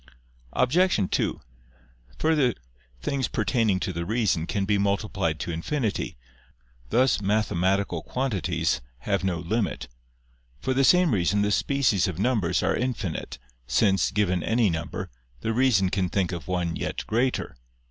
Obj. 2: Further, things pertaining to the reason can be multiplied to infinity: thus mathematical quantities have no limit. For the same reason the species of numbers are infinite, since, given any number, the reason can think of one yet greater.